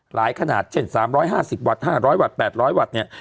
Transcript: ขนาดเช่น๓๕๐วัตต์๕๐๐วัตต์๘๐๐วัตต์เนี่ย